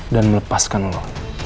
dan melepaskan lo